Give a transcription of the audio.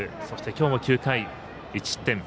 そして、きょうも９回１失点。